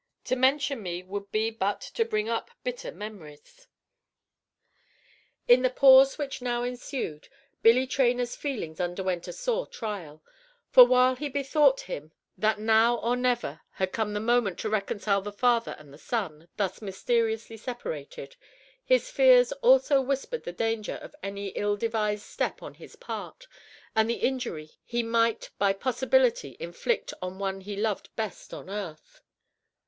To mention me would be but to bring up bitter memories." In the pause which now ensued, Billy Traynor's feelings underwent a sore trial; for while he bethought him that now or never had come the moment to reconcile the father and the son, thus mysteriously separated, his fears also whispered the danger of any ill advised step on his part, and the injury he might by possibility inflict on one he loved best on earth.